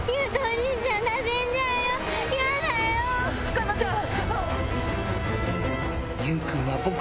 佳奈ちゃん。